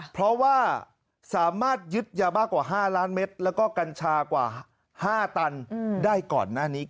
เพราะว่าสามารถยึดยาบ้ากว่า๕ล้านเม็ดแล้วก็กัญชากว่า๕ตันได้ก่อนหน้านี้